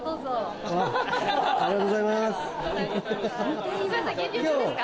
ありがとうございます。